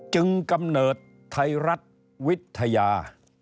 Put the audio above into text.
กำเนิดไทยรัฐวิทยา